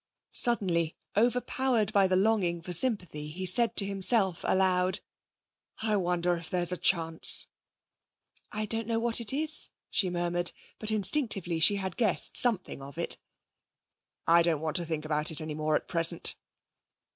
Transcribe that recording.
Suddenly, overpowered by the longing for sympathy, he said to himself aloud. 'I wonder if there's a chance.' 'I don't know what it is,' she murmured, but instinctively she had guessed something of it. 'I don't want to think about it any more at present.'